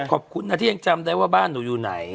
ขอบคุณนะที่ยังจำได้ว่าบ้านหนูอยู่ไหน